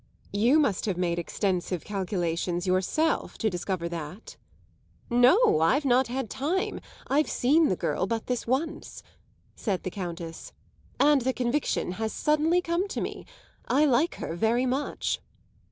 "You must have made extensive calculations yourself to discover that." "No, I've not had time. I've seen the girl but this once," said the Countess, "and the conviction has suddenly come to me. I like her very much."